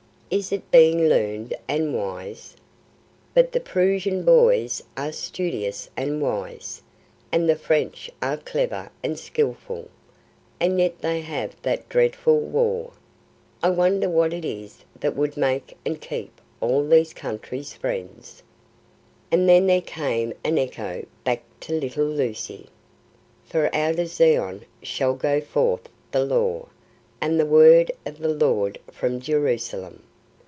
"Is it being learned and wise?" "But the Prussian boys are studious and wise, and the French are clever and skilful, and yet they have that dreadful war: I wonder what it is that would make and keep all these countries friends!" And then there came an echo back to little Lucy: "For out of Zion shall go forth the Law, and the word of the Lord from Jerusalem.